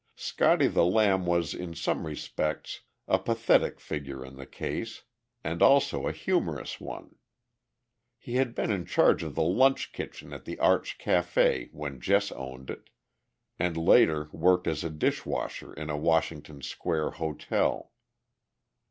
"Scotty the Lamb" was in some respects a pathetic figure in the case, and also a humorous one. He had been in charge of the lunch kitchen at the Arch Café when Jess owned it, and later worked as a dishwasher in a Washington Square hotel.